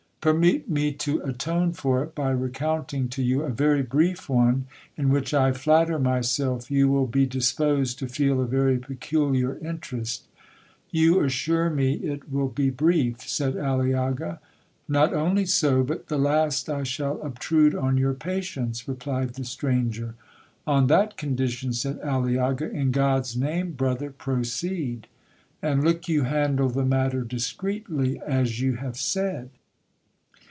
Permit me to atone for it, by recounting to you a very brief one, in which I flatter myself you will be disposed to feel a very peculiar interest.'—'You assure me it will be brief,' said Aliaga. 'Not only so, but the last I shall obtrude on your patience,' replied the stranger. 'On that condition,' said Aliaga, 'in God's name, brother, proceed. And look you handle the matter discreetly, as you have said.'